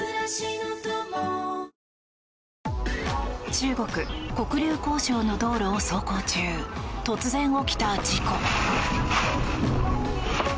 中国・黒竜江省の道路を走行中突然起きた事故。